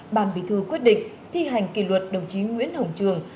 bàn bí thư quyết định thi hành kỷ luật đồng chí nguyễn hồng trường